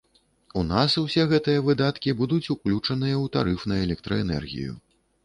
У нас усе гэтыя выдаткі будуць уключаныя ў тарыф на электраэнергію.